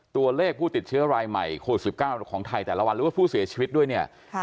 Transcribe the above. ตัวเลขผู้ติดเชื้อรายใหม่โควิด๑๙ของไทยแต่ละวันหรือว่าผู้เสียชีวิตด้วยเนี่ย